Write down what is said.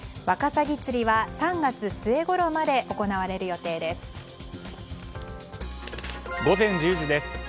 ワカサギ釣りは３月末ごろまで行われる予定です。